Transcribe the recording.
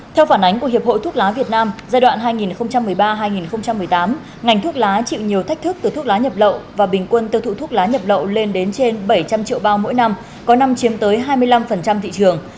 theo phản ánh của hiệp hội thuốc lá việt nam giai đoạn hai nghìn một mươi ba hai nghìn một mươi tám ngành thuốc lá chịu nhiều thách thức từ thuốc lá nhập lậu và bình quân tiêu thụ thuốc lá nhập lậu lên đến trên bảy trăm linh triệu bao mỗi năm có năm chiếm tới hai mươi năm thị trường